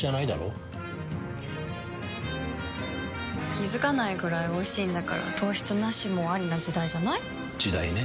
気付かないくらいおいしいんだから糖質ナシもアリな時代じゃない？時代ね。